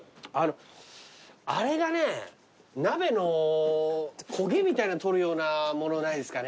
あれがね鍋の焦げみたいなの取るようなものないですかね？